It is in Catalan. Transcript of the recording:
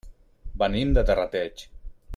Venim de Terrateig.